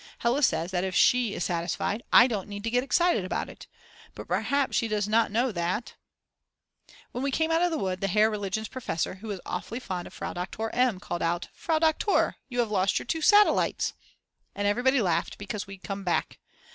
Hella says that if she is satisfied, I don't need to get excited about it. But perhaps she does not know that . When we came out of the wood the Herr Religionsprofessor who is awfully fond of Frau Doktor M. called out: "Frau Doktor, you have lost your two satellites!" And everybody laughed because we'd come back.